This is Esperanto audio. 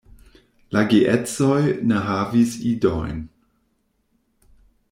La geedzoj ne havis idojn.